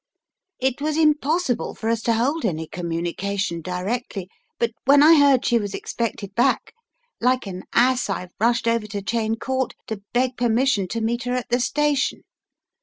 It was im possible for us to hold any communication directly, but when I heard she was expected back, like an ass I rushed over to Cheyne Court, to beg permission to meet her at the station.